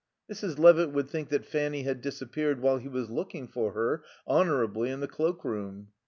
Mrs. Levitt would think that Fanny had disappeared while he was looking for her, honourably, in the cloak room.